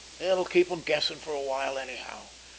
It'll keep 'em guessing for a while anyhow.